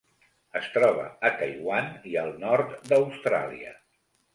Es troba a Taiwan i al nord d'Austràlia.